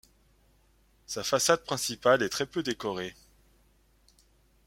Sa façade principale est très peu décorée.